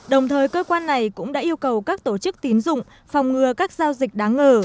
đồng thời cơ quan này cũng đã yêu cầu các tổ chức tín dụng phòng ngừa các giao dịch đáng ngờ